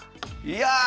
いや！